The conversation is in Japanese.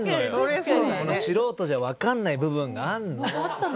素人じゃ分かんない部分があんの。